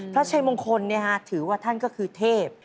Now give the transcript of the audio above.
พระชัยมงคลเนี่ยฮะถือว่าท่านก็คือเทพ